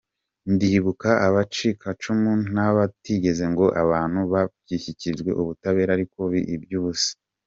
Ndibuka abacikacumu ntako batagize ngo abo bantu bashyikirizwe ubutabera ariko biba ibyubusa.